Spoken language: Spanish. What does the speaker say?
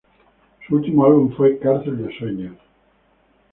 Su último álbum fue Cárcel De Sueños.